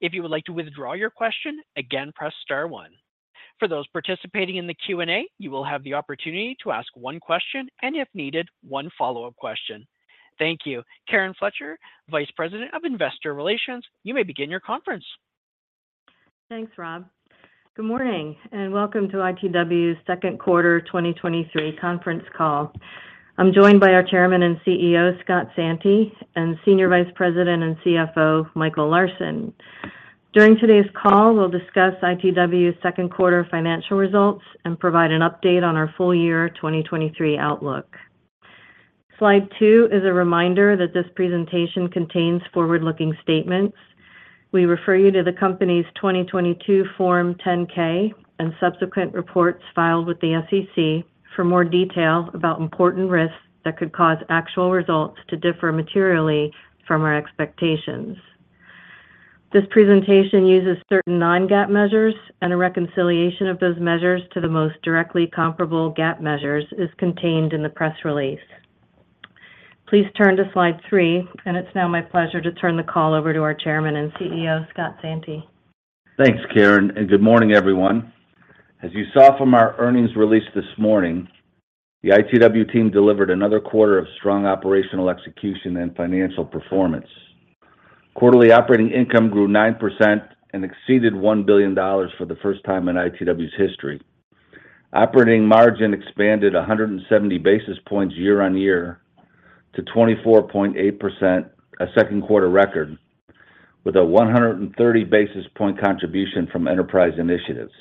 If you would like to withdraw your question, again, press star one. For those participating in the Q&A, you will have the opportunity to ask one question, and if needed, one follow-up question. Thank you. Karen Fletcher, Vice President of Investor Relations, you may begin your conference. Thanks, Rob. Good morning, and welcome to ITW's second quarter 2023 conference call. I'm joined by our Chairman and CEO, Scott Santi, and Senior Vice President and Chief Financial Officer, Michael Larsen. During today's call, we'll discuss ITW's second quarter financial results and provide an update on our full year 2023 outlook. Slide two is a reminder that this presentation contains forward-looking statements. We refer you to the company's 2022 Form 10-K and subsequent reports filed with the SEC for more details about important risks that could cause actual results to differ materially from our expectations. This presentation uses certain non-GAAP measures, and a reconciliation of those measures to the most directly comparable GAAP measures is contained in the press release. Please turn to slide three, and it's now my pleasure to turn the call over to our Chairman and CEO, Scott Santi. Thanks, Karen. Good morning, everyone. As you saw from our earnings release this morning, the ITW team delivered another quarter of strong operational execution and financial performance. Quarterly operating income grew 9% and exceeded $1 billion for the first time in ITW's history. Operating margin expanded 170 basis points year-on-year to 24.8%, a second quarter record, with a 130 basis point contribution from enterprise initiatives.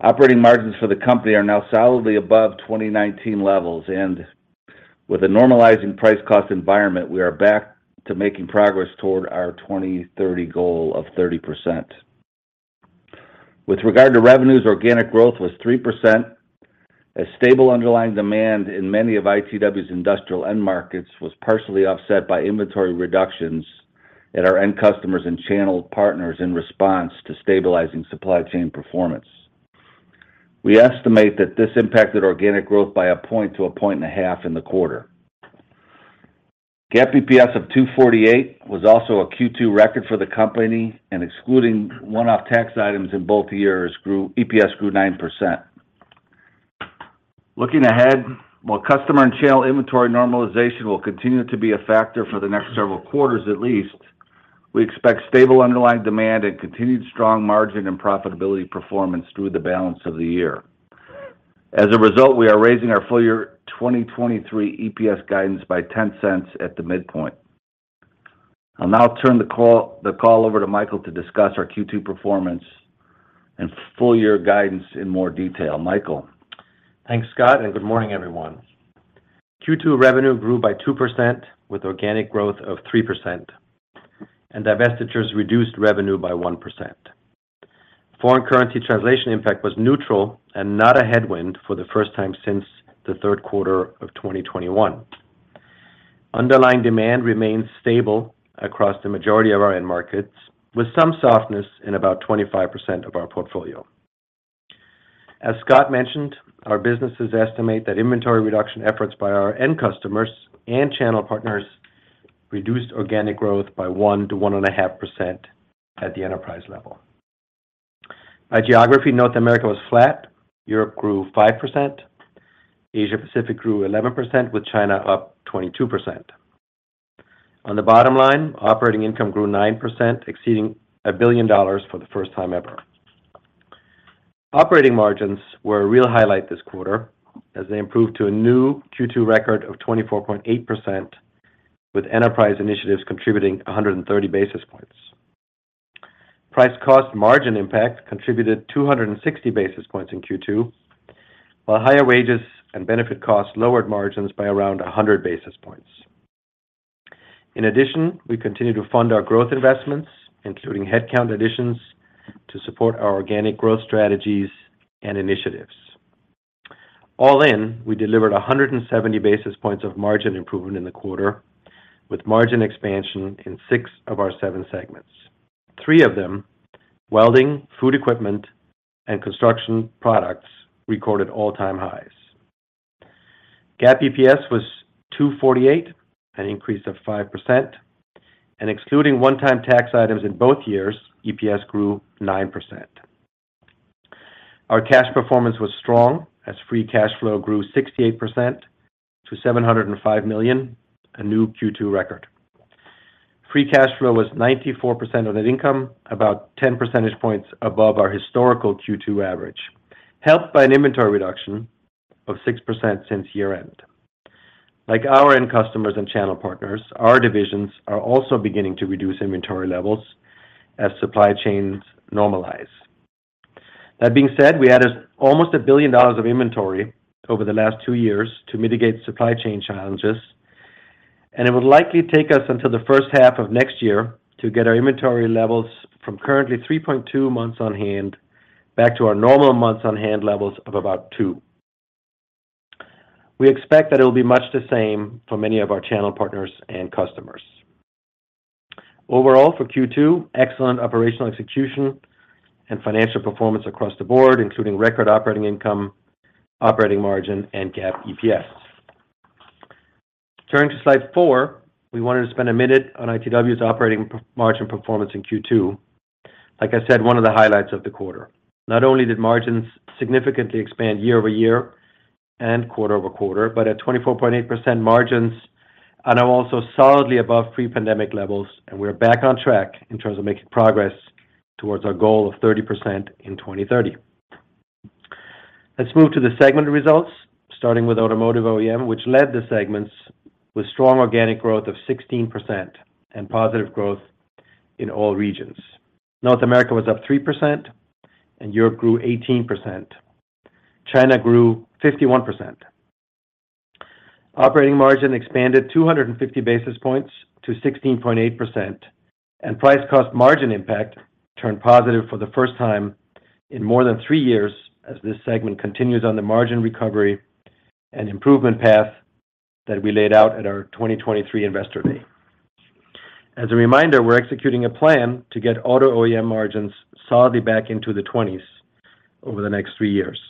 Operating margins for the company are now solidly above 2019 levels. With a normalizing price-cost environment, we are back to making progress toward our 2030 goal of 30%. With regard to revenues, organic growth was 3%. A stable underlying demand in many of ITW's industrial end markets was partially offset by inventory reductions at our end customers and channel partners in response to stabilizing supply chain performance. We estimate that this impacted organic growth by 1 point to 1.5 points in the quarter. GAAP EPS of $2.48 was also a Q2 record for the company, and excluding one-off tax items in both years, EPS grew 9%. Looking ahead, while customer and channel inventory normalization will continue to be a factor for the next several quarters, at least, we expect stable underlying demand and continued strong margin and profitability performance through the balance of the year. As a result, we are raising our full year 2023 EPS guidance by $0.10 at the midpoint. I'll now turn the call over to Michael to discuss our Q2 performance and full year guidance in more detail. Michael? Thanks, Scott. Good morning, everyone. Q2 revenue grew by 2%, with organic growth of 3%. Divestitures reduced revenue by 1%. Foreign currency translation impact was neutral and not a headwind for the first time since the third quarter of 2021. Underlying demand remains stable across the majority of our end markets, with some softness in about 25% of our portfolio. As Scott mentioned, our businesses estimate that inventory reduction efforts by our end customers and channel partners reduced organic growth by 1%-1.5% at the enterprise level. By geography, North America was flat, Europe grew 5%, Asia Pacific grew 11%, with China up 22%. On the bottom line, operating income grew 9%, exceeding $1 billion for the first time ever. Operating margins were a real highlight this quarter, as they improved to a new Q2 record of 24.8%, with enterprise initiatives contributing 130 basis points. Price-cost margin impact contributed 260 basis points in Q2, while higher wages and benefit costs lowered margins by around 100 basis points. In addition, we continue to fund our growth investments, including headcount additions, to support our organic growth strategies and initiatives. All in, we delivered 170 basis points of margin improvement in the quarter, with margin expansion in six of our seven segments. Three of them, Welding, Food Equipment, and Construction Products, recorded all-time highs. GAAP EPS was $2.48, an increase of 5%, and excluding one-time tax items in both years, EPS grew 9%. Our cash performance was strong as free cash flow grew 68% to $705 million, a new Q2 record. Free cash flow was 94% of net income, about 10 percentage points above our historical Q2 average, helped by an inventory reduction of 6% since year-end. Like our end customers and channel partners, our divisions are also beginning to reduce inventory levels as supply chains normalize. That being said, we added almost $1 billion of inventory over the last two years to mitigate supply chain challenges, and it would likely take us until the first half of next year to get our inventory levels from currently 3.2 months on hand back to our normal months on hand levels of about two. We expect that it will be much the same for many of our channel partners and customers. Overall, for Q2, excellent operational execution and financial performance across the board, including record operating income, operating margin, and GAAP EPS. Turning to slide four, we wanted to spend a minute on ITW's operating margin performance in Q2. Like I said, one of the highlights of the quarter. Not only did margins significantly expand year-over-year and quarter-over-quarter, but at 24.8% margins are now also solidly above pre-pandemic levels. We're back on track in terms of making progress towards our goal of 30% in 2030. Let's move to the segment results, starting with Automotive OEM, which led the segments with strong organic growth of 16% and positive growth in all regions. North America was up 3%, and Europe grew 18%. China grew 51%. Operating margin expanded 250 basis points to 16.8%. Price-cost margin impact turned positive for the first time in more than three years as this segment continues on the margin recovery and improvement path that we laid out at our 2023 Investor Day. As a reminder, we're executing a plan to get Auto OEM margins solidly back into the 20s over the next three years.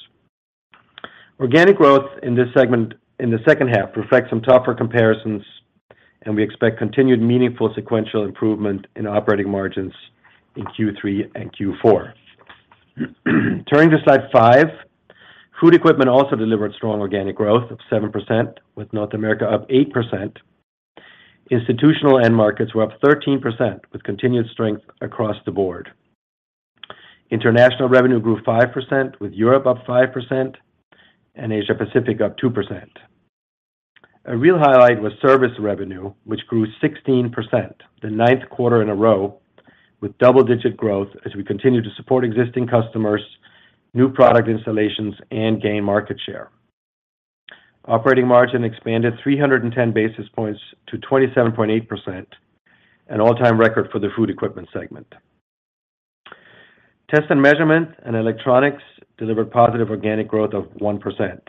Organic growth in this segment in the second half reflects some tougher comparisons. We expect continued meaningful sequential improvement in operating margins in Q3 and Q4. Turning to slide five, Food Equipment also delivered strong organic growth of 7%, with North America up 8%. Institutional end markets were up 13%, with continued strength across the board. International revenue grew 5%, with Europe up 5% and Asia Pacific up 2%. A real highlight was service revenue, which grew 16%, the ninth quarter in a row, with double-digit growth as we continue to support existing customers, new product installations, and gain market share. Operating margin expanded 310 basis points to 27.8%, an all-time record for the Food Equipment segment. Test & Measurement and Electronics delivered positive organic growth of 1%.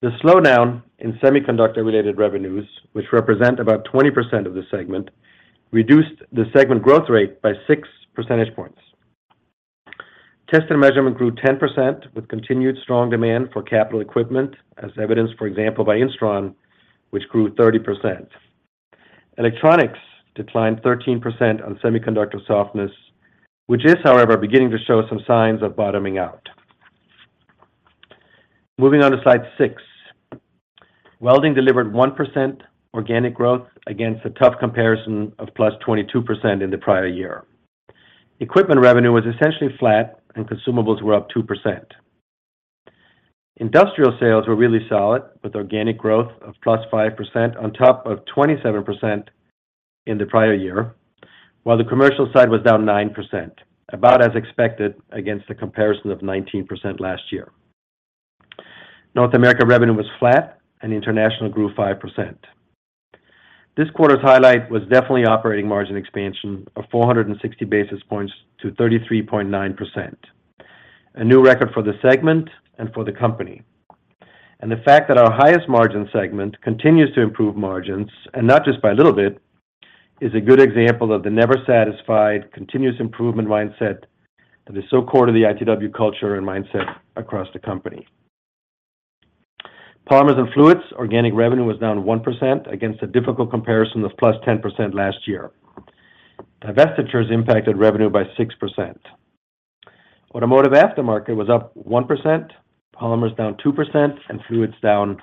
The slowdown in semiconductor-related revenues, which represent about 20% of the segment, reduced the segment growth rate by 6 percentage points. Test and Measurement grew 10%, with continued strong demand for capital equipment, as evidenced, for example, by Instron, which grew 30%. Electronics declined 13% on semiconductor softness, which is, however, beginning to show some signs of bottoming out. Moving on to slide six. Welding delivered 1% organic growth against a tough comparison of +22% in the prior year. Equipment revenue was essentially flat and consumables were up 2%. Industrial sales were really solid, with organic growth of +5% on top of 27% in the prior year, while the commercial side was down 9%, about as expected against a comparison of 19% last year. North America revenue was flat and international grew 5%. This quarter's highlight was definitely operating margin expansion of 460 basis points to 33.9%. A new record for the segment and for the company. The fact that our highest margin segment continues to improve margins, and not just by a little bit, is a good example of the never satisfied, continuous improvement mindset that is so core to the ITW culture and mindset across the company. Polymers & Fluids, organic revenue was down 1% against a difficult comparison of +10% last year. Divestitures impacted revenue by 6%. Automotive aftermarket was up 1%, polymers down 2%, and fluids down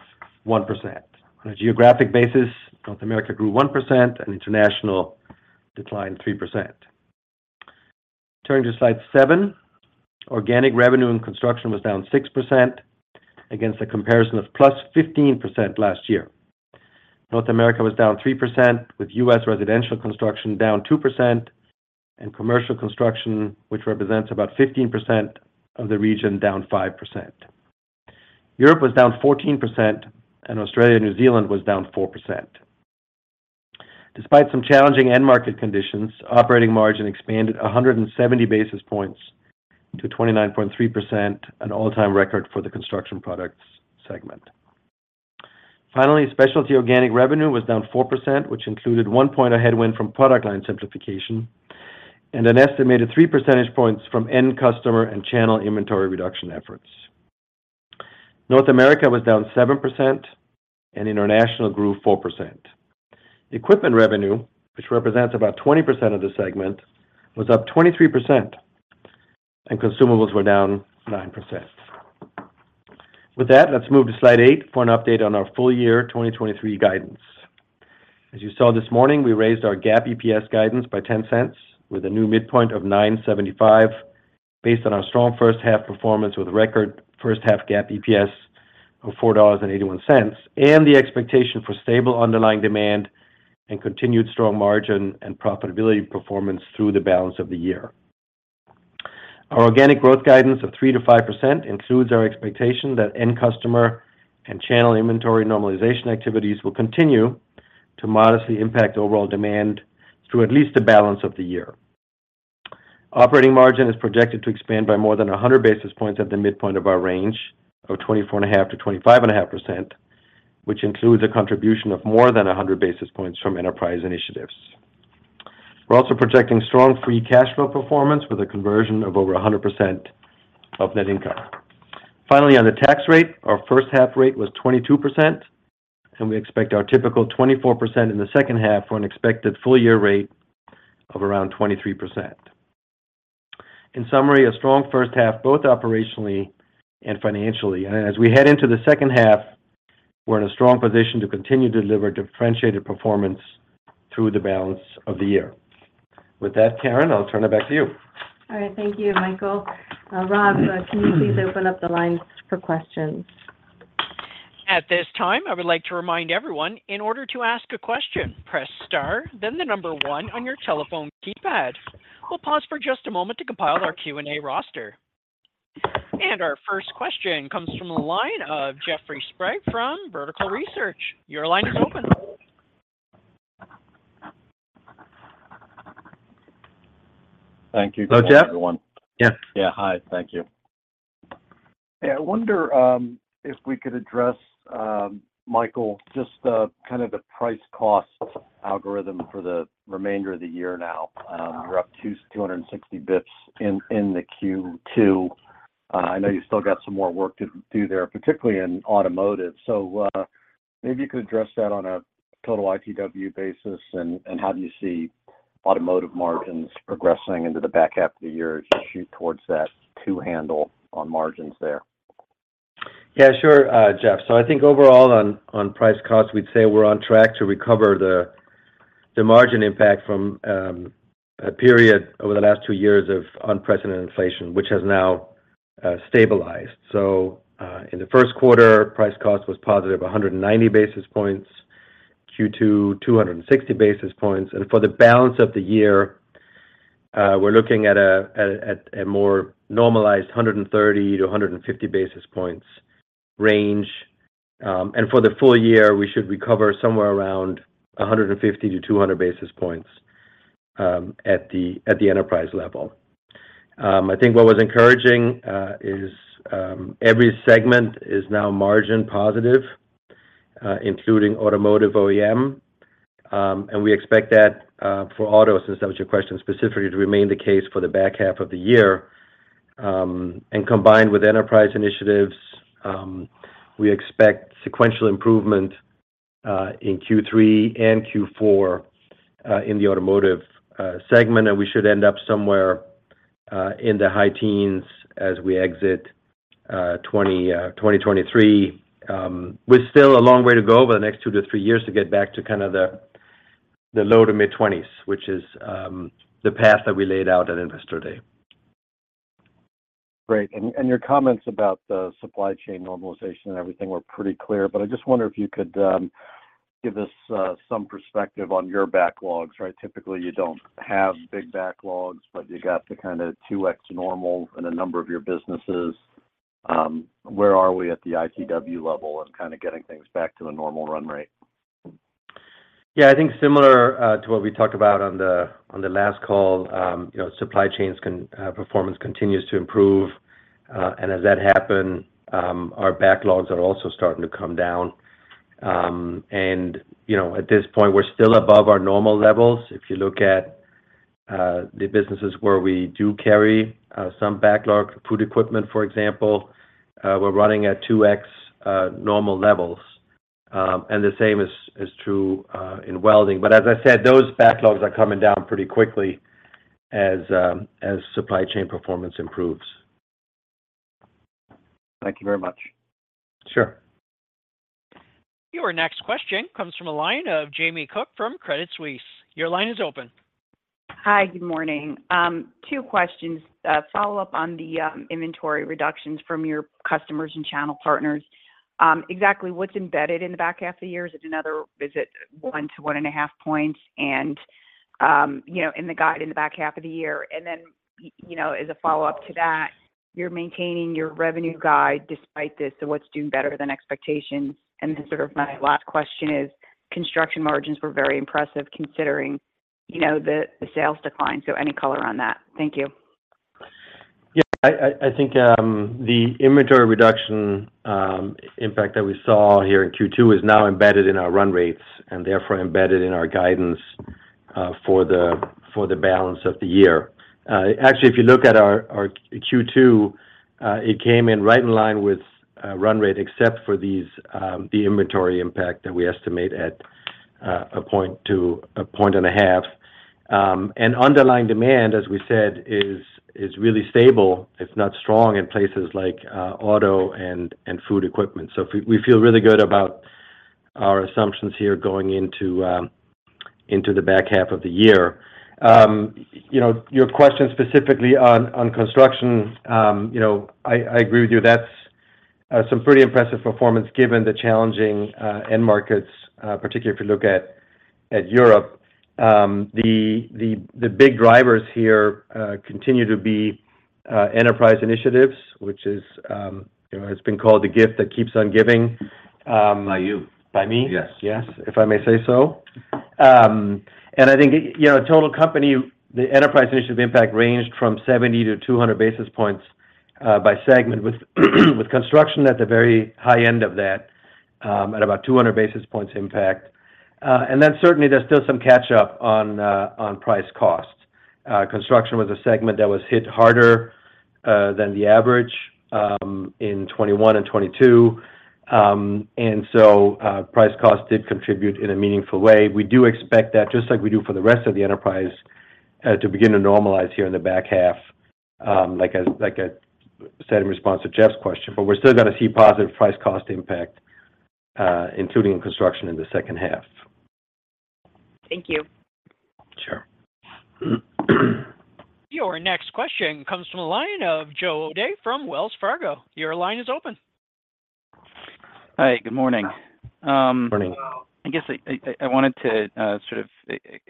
1%. On a geographic basis, North America grew 1% and international declined 3%. Turning to slide 7. Organic revenue in Construction Products was down 6% against a comparison of +15% last year. North America was down 3%, with U.S. residential construction down 2%, and commercial construction, which represents about 15% of the region, down 5%. Europe was down 14%, Australia and New Zealand was down 4%. Despite some challenging end market conditions, operating margin expanded 170 basis points to 29.3%, an all-time record for the Construction Products segment. Finally, Specialty organic revenue was down 4%, which included 1 point a headwind from Product Line Simplification and an estimated 3 percentage points from end customer and channel inventory reduction efforts. North America was down 7% and international grew 4%. Equipment revenue, which represents about 20% of the segment, was up 23% and consumables were down 9%. With that, let's move to slide 8 for an update on our full year 2023 guidance. As you saw this morning, we raised our GAAP EPS guidance by $0.10, with a new midpoint of $9.75, based on our strong first half performance, with record first half GAAP EPS of $4.81, and the expectation for stable underlying demand and continued strong margin and profitability performance through the balance of the year. Our organic growth guidance of 3%-5% includes our expectation that end customer and channel inventory normalization activities will continue to modestly impact overall demand through at least the balance of the year. Operating margin is projected to expand by more than 100 basis points at the midpoint of our range of 24.5%-25.5%, which includes a contribution of more than 100 basis points from enterprise initiatives. We're also projecting strong free cash flow performance with a conversion of over 100% of net income. Finally, on the tax rate, our first half rate was 22%, and we expect our typical 24% in the second half for an expected full year rate of around 23%. In summary, a strong first half, both operationally and financially. As we head into the second half, we're in a strong position to continue to deliver differentiated performance through the balance of the year. With that, Karen, I'll turn it back to you. All right. Thank you, Michael. Rob, can you please open up the lines for questions? At this time, I would like to remind everyone, in order to ask a question, press star, then 1 on your telephone keypad. We'll pause for just a moment to compile our Q&A roster. Our first question comes from the line of Jeffrey Sprague from Vertical Research. Your line is open. Thank you. Hello, Jeff? Everyone. Yes. Yeah, hi. Thank you. I wonder if we could address Michael, just the kind of the price-cost algorithm for the remainder of the year now. You're up to 260 basis points in, in the Q2. I know you still got some more work to do there, particularly in automotive. Maybe you could address that on a total ITW basis, and, and how do you see automotive margins progressing into the back half of the year as you shoot towards that two handle on margins there? Yeah, sure, Jeff. I think overall on, on price-cost, we'd say we're on track to recover the, the margin impact from a period over the last two years of unprecedented inflation, which has now stabilized. In the first quarter, price-cost was positive, 190 basis points, Q2, 260 basis points. For the balance of the year, we're looking at a more normalized 130-150 basis points range. For the full year, we should recover somewhere around 100-200 basis points at the enterprise level. I think what was encouraging is every segment is now margin positive, including Automotive OEM. We expect that for auto, since that was your question, specifically to remain the case for the back half of the year. Combined with enterprise initiatives, we expect sequential improvement in Q3 and Q4 in the automotive segment, and we should end up somewhere in the high teens as we exit 2023. With still a long way to go over the next 2-3 years to get back to kind of the low to mid-20s, which is the path that we laid out at Investor Day. Great. Your comments about the supply chain normalization and everything were pretty clear, but I just wonder if you could give us some perspective on your backlogs, right? Typically, you don't have big backlogs, but you got the kind of 2x normal in a number of your businesses. Where are we at the ITW level and kind of getting things back to a normal run rate? Yeah, I think similar to what we talked about on the last call, you know, supply chains performance continues to improve. As that happen, our backlogs are also starting to come down. You know, at this point, we're still above our normal levels. If you look at the businesses where we do carry some backlog, Food Equipment, for example, we're running at 2x normal levels. The same is true in Welding. As I said, those backlogs are coming down pretty quickly as supply chain performance improves. Thank you very much. Sure. Your next question comes from a line of Jamie Cook from Credit Suisse. Your line is open. Hi, good morning. two questions. follow-up on the inventory reductions from your customers and channel partners. Exactly what's embedded in the back half of the year? Is it another, is it 1-1.5 points? you know, in the guide in the back half of the year, you know, as a follow-up to that, you're maintaining your revenue guide despite this, what's doing better than expectations? Sort of my last question is, construction margins were very impressive, considering, you know, the sales decline. Any color on that? Thank you. Yeah, I think, the inventory reduction, impact that we saw here in Q2 is now embedded in our run rates, and therefore, embedded in our guidance, for the balance of the year. Actually, if you look at our, our Q2, it came in right in line with, run rate, except for these, the inventory impact that we estimate at, 1 point to 1.5 points. Underlying demand, as we said, is, is really stable. It's not strong in places like, auto and, Food Equipment. We, we feel really good about our assumptions here going into, into the back half of the year. You know, your question specifically on construction, you know, I agree with you. That's some pretty impressive performance given the challenging end markets, particularly if you look at, at Europe. The big drivers here continue to be enterprise initiatives, which is, you know, it's been called the gift that keeps on giving. By you. By me? Yes. Yes, if I may say so. I think, you know, total company, the enterprise initiatives impact ranged from 70 to 200 basis points by segment, with Construction Products at the very high end of that, at about 200 basis points impact. Then certainly there's still some catch up on price-cost. Construction Products was a segment that was hit harder than the average in 2021 and 2022. Price-cost did contribute in a meaningful way. We do expect that, just like we do for the rest of the enterprise, to begin to normalize here in the back half, like I, like I said in response to Jeff's question. We're still gonna see positive price-cost impact, including Construction Products in the second half. Thank you. Sure. Your next question comes from the line of Joe O'Dea from Wells Fargo. Your line is open. Hi, good morning. Morning. I guess I wanted to sort of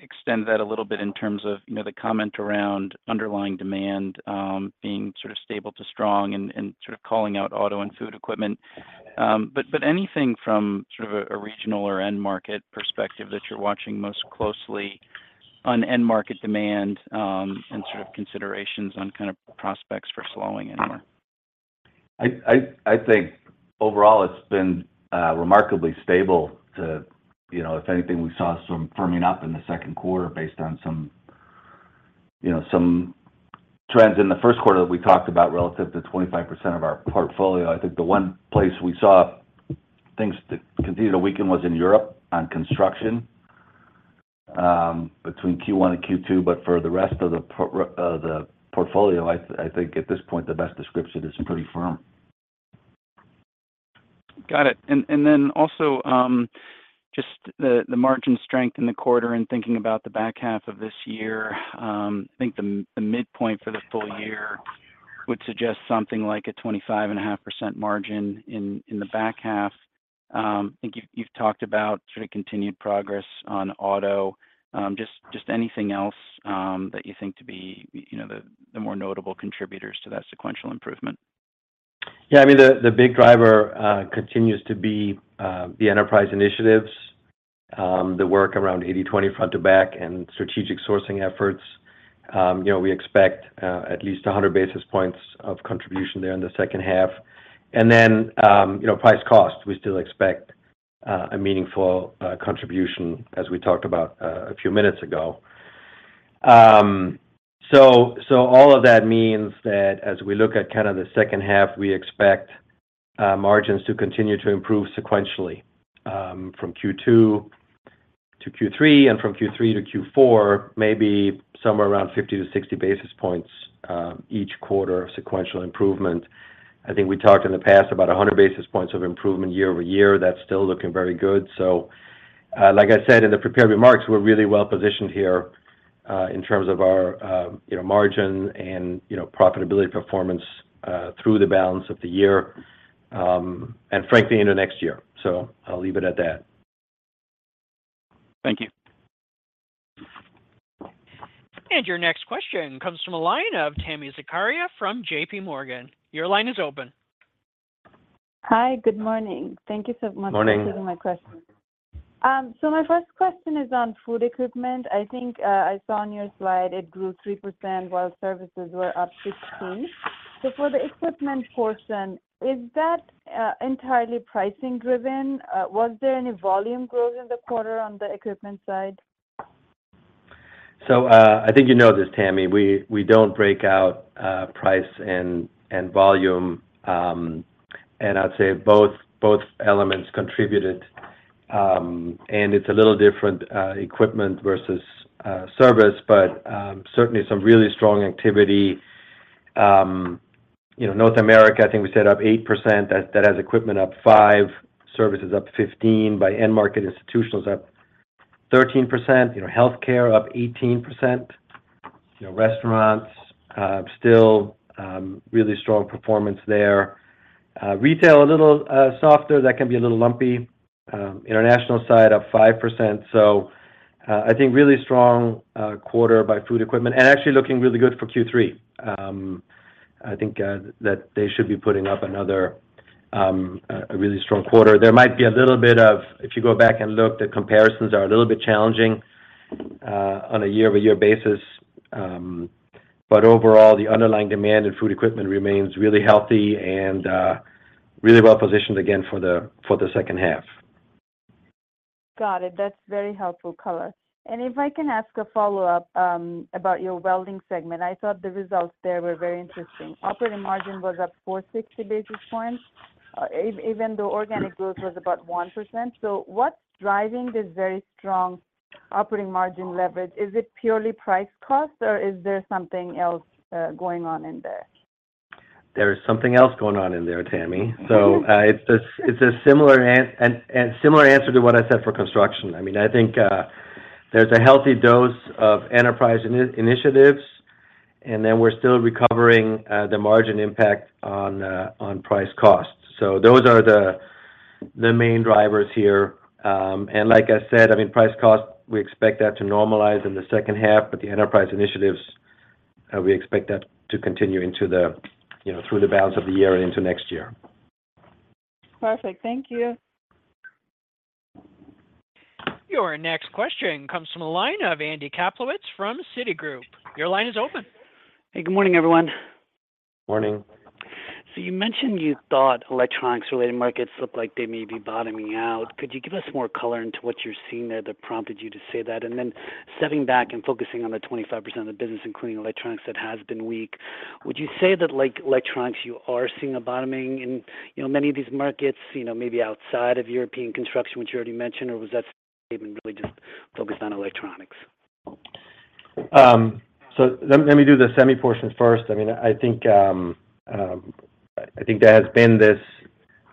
extend that a little bit in terms of, you know, the comment around underlying demand being sort of stable to strong and, and sort of calling out auto and Food Equipment. Anything from sort of a, a regional or end market perspective that you're watching most closely on end market demand and sort of considerations on kind of prospects for slowing anymore? I think overall it's been remarkably stable to, you know, if anything, we saw some firming up in the second quarter based on some, you know, some trends in the first quarter that we talked about relative to 25% of our portfolio. I think the one place we saw things to continue to weaken was in Europe on construction between Q1 and Q2, but for the rest of the portfolio, I think at this point, the best description is pretty firm. Got it. Then also, just the margin strength in the quarter and thinking about the back half of this year, I think the midpoint for the full year would suggest something like a 25.5% margin in the back half. I think you've talked about sort of continued progress on auto. Just anything else that you think to be, you know, the more notable contributors to that sequential improvement? Yeah, I mean, the big driver continues to be the Enterprise Initiatives, the work around 80/20 front to back, and Strategic Sourcing efforts. You know, we expect at least 100 basis points of contribution there in the second half. You know, price-cost, we still expect a meaningful contribution as we talked about a few minutes ago. All of that means that as we look at kind of the second half, we expect margins to continue to improve sequentially from Q2 to Q3 and from Q3 to Q4, maybe somewhere around 50-60 basis points each quarter of sequential improvement. I think we talked in the past about 100 basis points of improvement year-over-year. That's still looking very good. Like I said, in the prepared remarks, we're really well positioned here, in terms of our, you know, margin and, you know, profitability performance, through the balance of the year, and frankly, into next year. I'll leave it at that. Thank you. Your next question comes from a line of Tami Zakaria from JPMorgan. Your line is open. Hi, good morning. Thank you so much. Morning. For taking my question. My first question is on Food Equipment. I think I saw on your slide it grew 3%, while services were up 15. For the equipment portion, is that entirely pricing driven? Was there any volume growth in the quarter on the equipment side? I think you know this, Tami, we, we don't break out price and volume. I'd say both, both elements contributed. It's a little different, equipment versus service, but certainly some really strong activity. You know, North America, I think we said up 8%. That, that has equipment up 5%, services up 15%, by end market, institutional is up 13%, you know, healthcare up 18%. You know, restaurants, still really strong performance there. Retail, a little softer, that can be a little lumpy. International side, up 5%. I think really strong quarter by Food Equipment, and actually looking really good for Q3. I think that they should be putting up another really strong quarter. There might be a little bit of. If you go back and look, the comparisons are a little bit challenging, on a year-over-year basis. Overall, the underlying demand in Food Equipment remains really healthy and, really well positioned again for the, for the second half. Got it. That's very helpful color. If I can ask a follow-up about your Welding segment. I thought the results there were very interesting. Operating margin was up 460 basis points even though organic growth was about 1%. What's driving this very strong operating margin leverage? Is it purely price-cost, or is there something else going on in there? There is something else going on in there, Tami. It's a, it's a similar answer to what I said for construction. I mean, I think, there's a healthy dose of enterprise initiatives, and then we're still recovering, the margin impact on price-cost. Those are the main drivers here. Like I said, I mean, price-cost, we expect that to normalize in the second half, but the enterprise initiatives, we expect that to continue into the, you know, through the balance of the year and into next year. Perfect. Thank you. Your next question comes from the line of Andy Kaplowitz from Citigroup. Your line is open. Hey, good morning, everyone. Morning. You mentioned you thought electronics-related markets look like they may be bottoming out. Could you give us more color into what you're seeing there that prompted you to say that? Then stepping back and focusing on the 25% of the business, including electronics, that has been weak, would you say that, like, electronics, you are seeing a bottoming in, you know, many of these markets, you know, maybe outside of European construction, which you already mentioned, or was that statement really just focused on electronics? Let me do the semi portion first. I mean, I think there has been this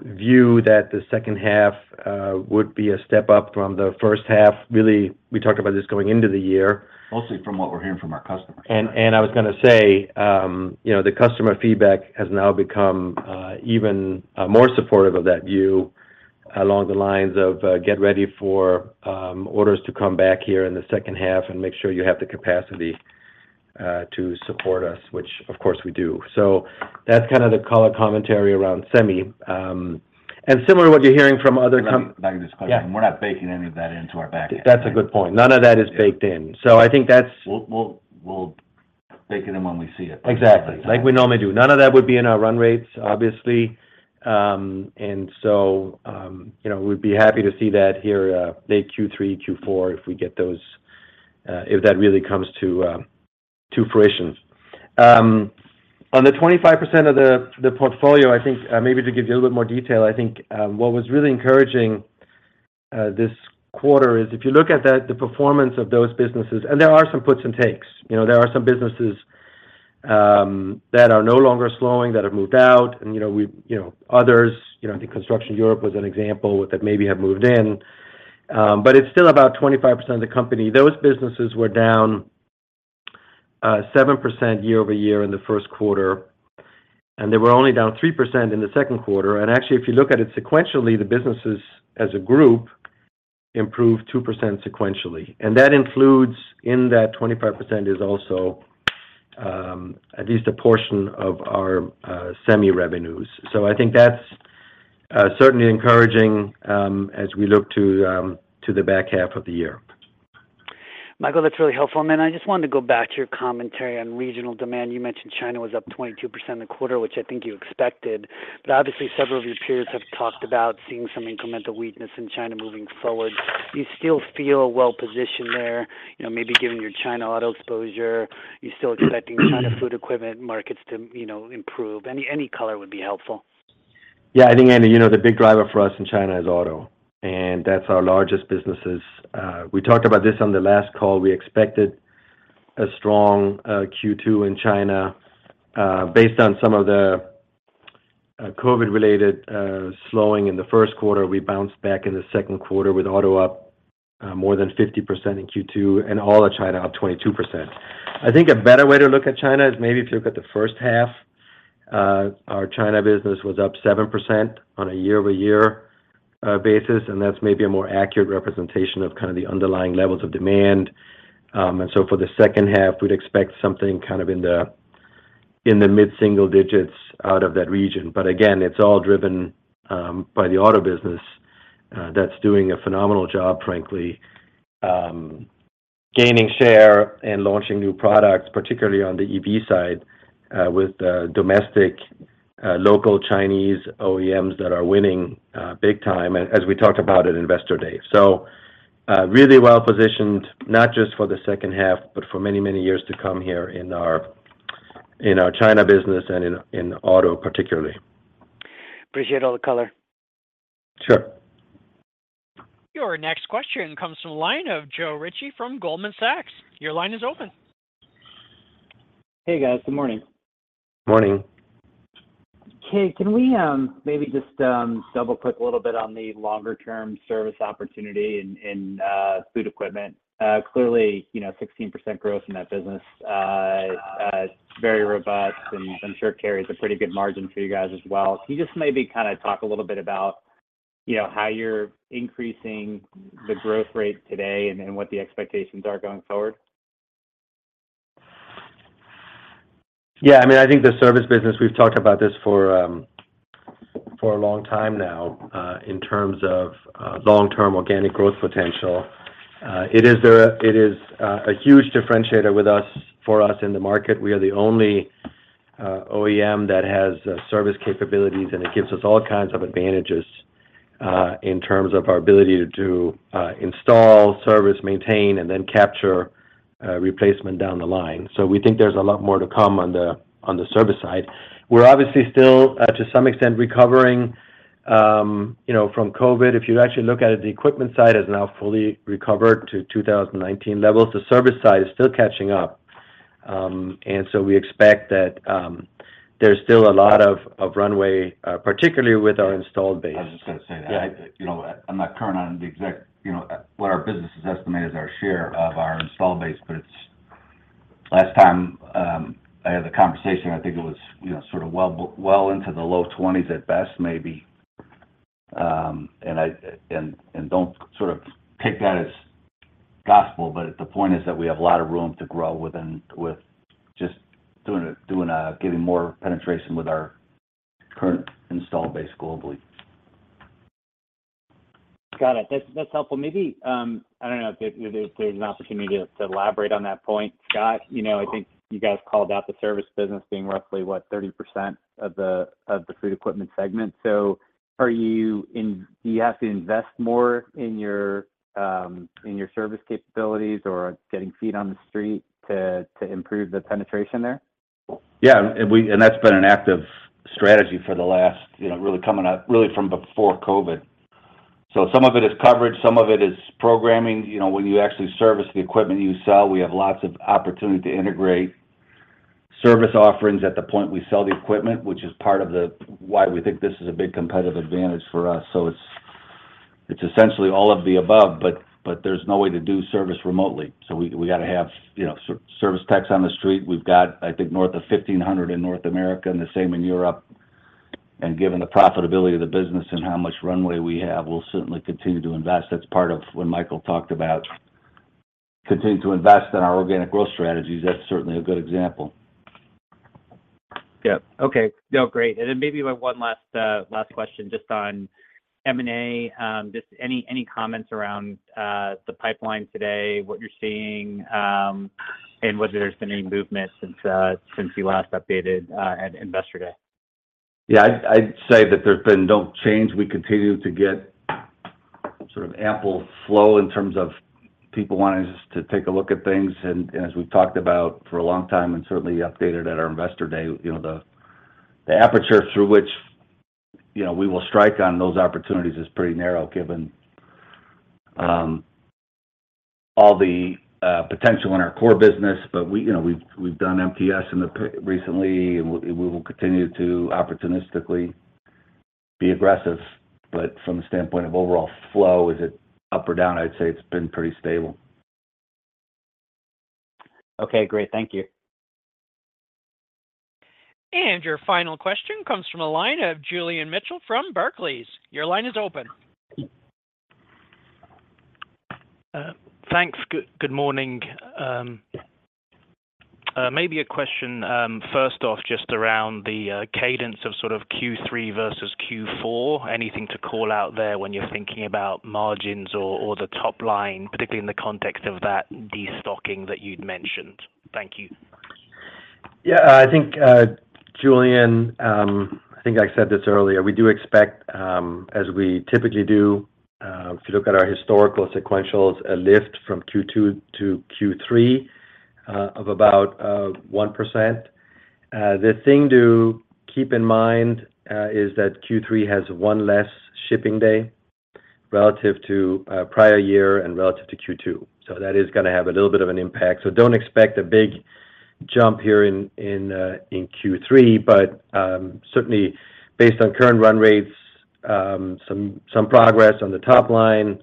view that the second half would be a step up from the first half. Really, we talked about this going into the year. Mostly from what we're hearing from our customers. I was gonna say, you know, the customer feedback has now become even more supportive of that view along the lines of, get ready for orders to come back here in the second half and make sure you have the capacity to support us, which, of course, we do. That's kind of the color commentary around semi. Similar to what you're hearing from other com-. Let me back this question. Yeah. We're not baking any of that into our back end. That's a good point. None of that is baked in. I think that's. We'll bake it in when we see it. Exactly. Like we normally do. None of that would be in our run rates, obviously. You know, we'd be happy to see that here, late Q3, Q4, if we get those if that really comes to fruition. On the 25% of the portfolio, I think, maybe to give you a little bit more detail, I think, what was really encouraging, this quarter is, if you look at the performance of those businesses, and there are some puts and takes. You know, there are some businesses, that are no longer slowing, that have moved out, and, you know, we, you know, others, you know, I think Construction Europe was an example that maybe have moved in. It's still about 25% of the company. Those businesses were down 7% year over year in the first quarter, and they were only down 3% in the second quarter. Actually, if you look at it sequentially, the businesses, as a group, improved 2% sequentially. That includes, in that 25%, is also at least a portion of our semi revenues. I think that's certainly encouraging as we look to the back half of the year. Michael, that's really helpful. I just wanted to go back to your commentary on regional demand. You mentioned China was up 22% a quarter, which I think you expected, but obviously several of your peers have talked about seeing some incremental weakness in China moving forward. Do you still feel well-positioned there? You know, maybe given your China auto exposure, you're still expecting China Food Equipment markets to, you know, improve. Any, any color would be helpful. Yeah, I think, Andy, you know, the big driver for us in China is auto, and that's our largest businesses. We talked about this on the last call. We expected a strong Q2 in China, based on some of the COVID-related slowing in the first quarter. We bounced back in the second quarter with auto up more than 50% in Q2, and all of China up 22%. I think a better way to look at China is maybe if you look at the first half, our China business was up 7% on a year-over-year basis, and that's maybe a more accurate representation of kind of the underlying levels of demand. For the second half, we'd expect something kind of in the, in the mid-single digits out of that region. Again, it's all driven by the auto business that's doing a phenomenal job, frankly, gaining share and launching new products, particularly on the EV side with the domestic, local Chinese OEMs that are winning big time, as we talked about at Investor Day. Really well positioned, not just for the second half, but for many, many years to come here in our, in our China business and in auto, particularly. Appreciate all the color. Sure. Your next question comes from the line of Joe Ritchie from Goldman Sachs. Your line is open. Hey, guys. Good morning. Morning. Hey, can we, maybe just double-click a little bit on the longer-term service opportunity in, in Food Equipment? Clearly, you know, 16% growth in that business, very robust and I'm sure carries a pretty good margin for you guys as well. Can you just maybe kind of talk a little bit about, you know, how you're increasing the growth rate today and, and what the expectations are going forward? Yeah, I mean, I think the service business, we've talked about this for a long time now, in terms of, long-term organic growth potential. It is a huge differentiator with us, for us in the market. We are the only, OEM that has, service capabilities, and it gives us all kinds of advantages, in terms of our ability to do, install, service, maintain, and then capture, replacement down the line. We think there's a lot more to come on the, on the service side. We're obviously still, to some extent, recovering, you know, from COVID. If you actually look at it, the equipment side is now fully recovered to 2019 levels. The service side is still catching up. We expect that there's still a lot of runway, particularly with our installed base. I was just gonna say that. Yeah. You know, I'm not current on the exact, you know, what our business has estimated as our share of our install base, but it's. Last time I had the conversation, I think it was, you know, sort of well into the low 20s at best, maybe. I, and don't sort of take that as gospel, but the point is that we have a lot of room to grow with just getting more penetration with our customers. current install base globally. Got it. That's helpful. Maybe, I don't know if there, there's an opportunity to, to elaborate on that point, Scott. You know, I think you guys called out the service business being roughly, what, 30% of the Food Equipment segment. Do you have to invest more in your, in your service capabilities or getting feet on the street to, to improve the penetration there? Yeah. That's been an active strategy for the last, you know, really coming out, really from before COVID. Some of it is coverage, some of it is programming. You know, when you actually service the equipment you sell, we have lots of opportunity to integrate service offerings at the point we sell the equipment, which is part of the, why we think this is a big competitive advantage for us. It's, it's essentially all of the above, but there's no way to do service remotely. We got to have, you know, service techs on the street. We've got, I think, north of 1,500 in North America and the same in Europe. Given the profitability of the business and how much runway we have, we'll certainly continue to invest. That's part of what Michael talked about, continue to invest in our organic growth strategies. That's certainly a good example. Yeah. Okay. No, great. Then maybe one last last question, just on M&A. Just any, any comments around the pipeline today, what you're seeing, and whether there's been any movement since since you last updated at Investor Day? Yeah, I'd, I'd say that there's been no change. We continue to get sort of ample flow in terms of people wanting us to take a look at things. As we've talked about for a long time, and certainly updated at our Investor Day, you know, the, the aperture through which, you know, we will strike on those opportunities is pretty narrow, given all the potential in our core business. We, you know, we've done MTS in recently, and we, we will continue to opportunistically be aggressive. From the standpoint of overall flow, is it up or down? I'd say it's been pretty stable. Okay, great. Thank you. Your final question comes from a line of Julian Mitchell from Barclays. Your line is open. Thanks. Good, good morning. Maybe a question, first off, just around the cadence of sort of Q3 versus Q4. Anything to call out there when you're thinking about margins or, or the top line, particularly in the context of that destocking that you'd mentioned? Thank you. I think Julian, I think I said this earlier, we do expect, as we typically do, if you look at our historical sequentials, a lift from Q2 to Q3 of about 1%. The thing to keep in mind is that Q3 has one less shipping day relative to prior year and relative to Q2. That is gonna have a little bit of an impact. Don't expect a big jump here in, in Q3, but certainly based on current run rates, some, some progress on the top line,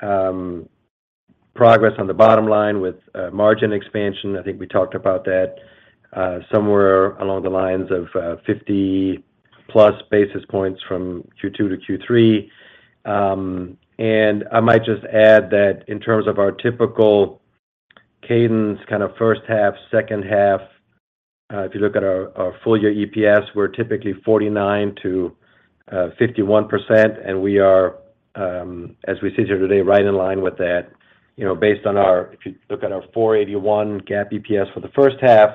progress on the bottom line with margin expansion. I think we talked about that somewhere along the lines of 50+ basis points from Q2 to Q3. I might just add that in terms of our typical cadence, kind of first half, second half, if you look at our full year EPS, we're typically 49%-51%, and we are, as we sit here today, right in line with that. You know, based on our. If you look at our $4.81 GAAP EPS for the first half,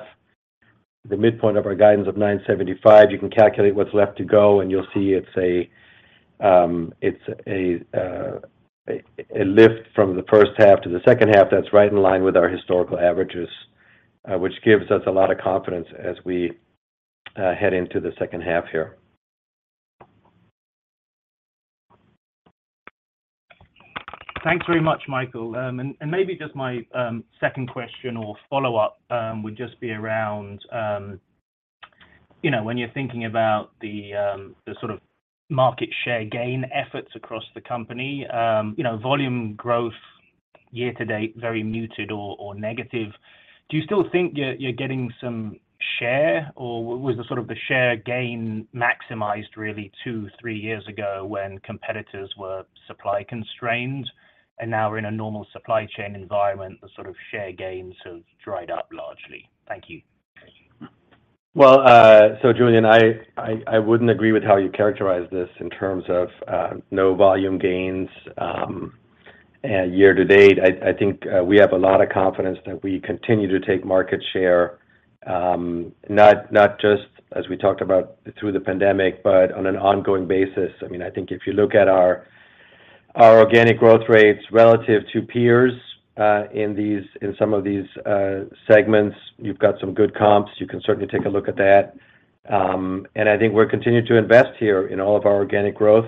the midpoint of our guidance of $9.75, you can calculate what's left to go, and you'll see it's a lift from the first half to the second half that's right in line with our historical averages, which gives us a lot of confidence as we head into the second half here. Thanks very much, Michael. Maybe just my second question or follow-up would just be around, you know, when you're thinking about the sort of market share gain efforts across the company, you know, volume growth year to date, very muted or, or negative. Do you still think you're, you're getting some share, or was the sort of the share gain maximized really two, three years ago when competitors were supply constrained, and now we're in a normal supply chain environment, the sort of share gains have dried up largely? Thank you. Well, Julian, I wouldn't agree with how you characterize this in terms of no volume gains and year to date. I think we have a lot of confidence that we continue to take market share, not just as we talked about through the pandemic, but on an ongoing basis. I mean, I think if you look at our, our organic growth rates relative to peers, in these, in some of these segments, you've got some good comps. You can certainly take a look at that. I think we're continuing to invest here in all of our organic growth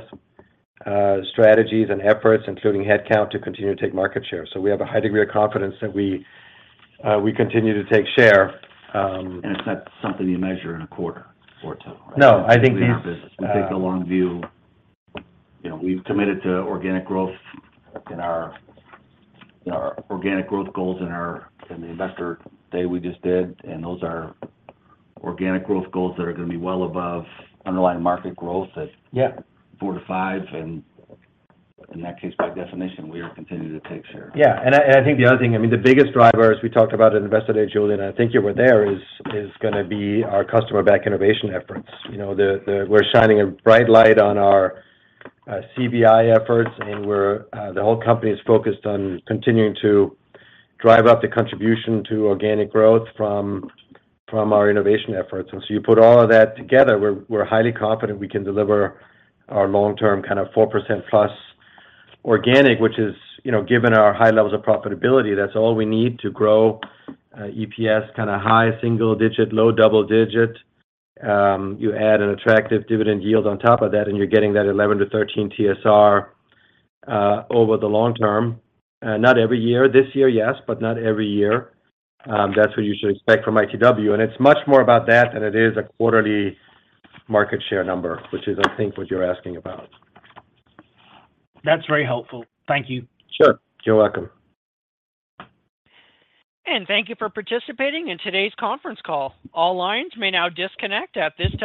strategies and efforts, including headcount, to continue to take market share. We have a high degree of confidence that we continue to take share. It's not something you measure in a quarter or two. No, I think these. We take the long view. You know, we've committed to organic growth in our, in our organic growth goals in our, in the Investor Day we just did, and those are organic growth goals that are gonna be well above underlying market growth. Yeah. At 4 to 5, and in that case, by definition, we will continue to take share. Yeah, I think the other thing, I mean, the biggest driver, as we talked about at Investor Day, Julian, I think you were there, is gonna be our Customer-Back Innovation efforts. You know, we're shining a bright light on our CBI efforts, and we're the whole company is focused on continuing to drive up the contribution to organic growth from our innovation efforts. You put all of that together, we're highly confident we can deliver our long-term kind of 4%+ organic, which is, you know, given our high levels of profitability, that's all we need to grow EPS, kinda high single digit, low double digit. You add an attractive dividend yield on top of that, and you're getting that 11-13 TSR over the long term. Not every year. This year, yes, but not every year. That's what you should expect from ITW, and it's much more about that than it is a quarterly market share number, which is I think what you're asking about. That's very helpful. Thank you. Sure. You're welcome. Thank you for participating in today's conference call. All lines may now disconnect at this time.